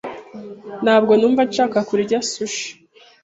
Ntabwo numva nshaka kurya sushi.